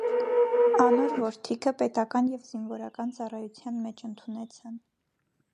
Անոր որդիքը պետական եւ զինուորական ծառայութեան մէջ ընդունուեցան։